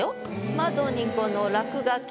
「窓に子の落書き」。